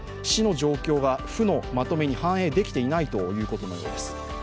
市の状況が府のまとめに反映できていないということのようです。